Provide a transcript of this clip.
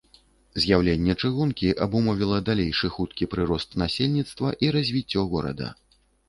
З'яўленне чыгункі абумовіла далейшы хуткі прырост насельніцтва і развіццё горада.